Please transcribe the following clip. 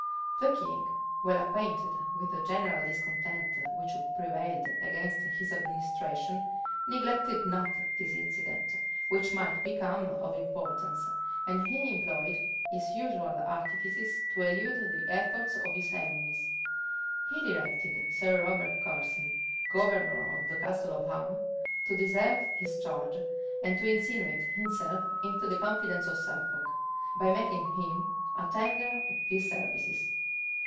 The king, well acquainted with the general discontent which prevailed against his administration neglected not this incident, which might become of importance, and he employed his usual artifices to elude the efforts of his enemies. He directed Sir Robert Curson, governor of the castle of Hammes, to desert his charge, and to insinuate himself into the confidence of Suffolk, by making him a tender of his services.